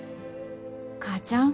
母ちゃん。